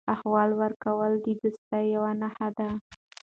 احوال ورکول د دوستۍ یوه نښه ده.